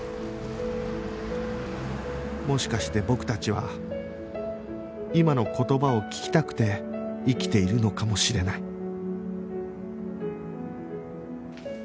もしかして僕たちは今の言葉を聞きたくて生きているのかもしれない